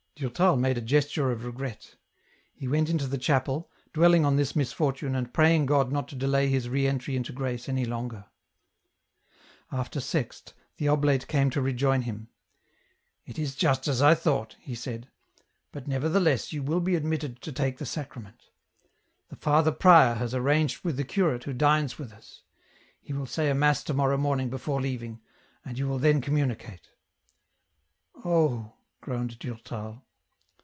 Durtal made a gesture of regret. He went into the chapel, dwelling on this misfortune and praying God not to delay his re entry into grace any longer. After Sext, the oblate came to rejoin him. " It is just as I thought," he said, " but nevertheless you will be admitted to take the Sacrament. The father prior has arranged with the curate who dines with us. He will say a mass to morrow morning before leaving, and you will then com municate." " Oh I " groaned Durtal.